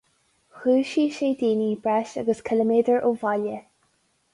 Dhúisigh sé daoine breis agus ciliméadar ó bhaile.